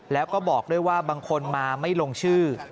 แล้วก็บอกด้วยว่าบางคนมาไม่ลงชื่อ